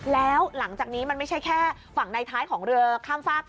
แล้วหลังจากนี้มันไม่ใช่แค่ฝั่งในท้ายของเรือข้ามฝาก